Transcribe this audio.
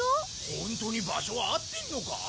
ホントに場所は合ってんのか？